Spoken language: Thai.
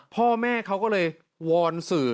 พ่อแม่เขาก็เลยวอนสื่อ